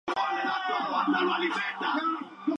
Esta bula es la cuarta y última de las Bulas Alejandrinas.